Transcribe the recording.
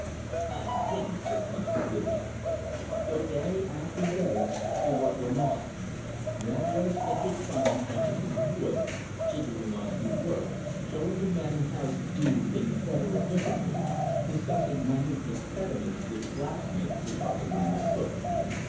"A fine t'ing!" said Mike, spitting. So day after day the work went on. Radway spent his time tramping through the woods, figuring on new work, showing the men how to do things better or differently, discussing minute expedients with the blacksmith, the carpenter, the cook.